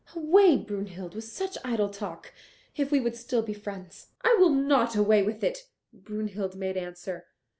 Away, Brunhild, with such idle talk, if we would still be friends." "I will not away with it," Brunhild made answer.